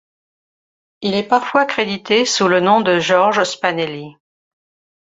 Il est parfois crédité sous le nom de Georges Spanelli.